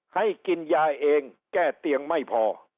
ให้กินยาเองแก้เตียงไม่พอ